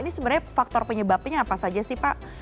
ini sebenarnya faktor penyebabnya apa saja sih pak